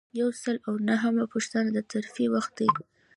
یو سل او نهمه پوښتنه د ترفیع وخت دی.